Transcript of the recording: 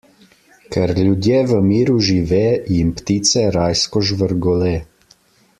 Kjer ljudje v miru žive, jim ptice rajsko žvrgole.